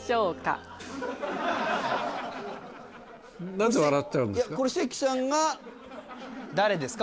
何で笑っちゃうんですか？